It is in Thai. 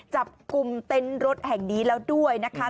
จับกลุ่มเต็นต์รถแห่งนี้แล้วด้วยนะคะ